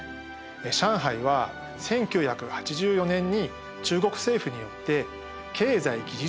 上海は１９８４年に中国政府によって経済技術